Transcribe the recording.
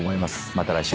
また来週。